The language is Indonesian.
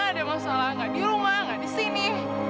ada masalah gak di rumah gak di sini